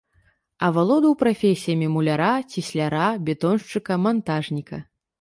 Авалодаў прафесіямі муляра, цесляра, бетоншчыка, мантажніка.